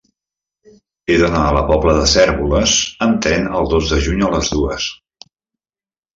He d'anar a la Pobla de Cérvoles amb tren el dos de juny a les dues.